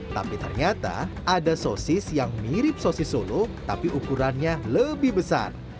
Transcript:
tapi ternyata ada sosis yang mirip sosis solo tapi ukurannya lebih besar